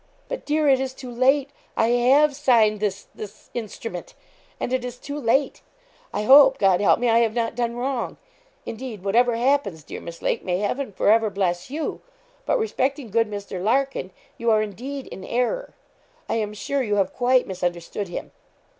'But, dear, it is too late I have signed this this instrument and it is too late. I hope God help me I have not done wrong. Indeed, whatever happens, dear Miss Lake, may Heaven for ever bless you. But respecting good Mr. Larkin, you are, indeed, in error; I am sure you have quite misunderstood him.